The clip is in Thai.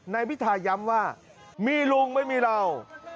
นายพิทาย้ำว่ามีลุงไม่มีเรา